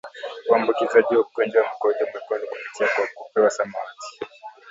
uambukizaji wa ugonjwa wa Mkojo Mwekundu kupitia kwa kupe wa samawati